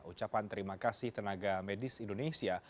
ucapan terima kasih tenaga medis indonesia